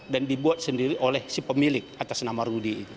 dibuat sendiri oleh si pemilik atas nama rudy